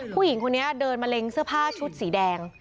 ผู้หญิงคนนี้เดินมะเร็งเสื้อผ้าชุดสีแดง